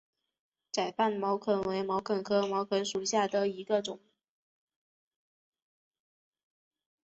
窄瓣毛茛为毛茛科毛茛属下的一个种。